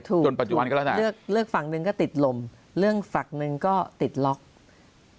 ถูกถูกถูกเลือกฝั่งก็ติดลมเลือร์มฝั่งหนึ่งก็ติดล็อคไปไม่ได้